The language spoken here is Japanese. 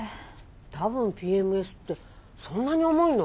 多分ＰＭＳってそんなに重いの？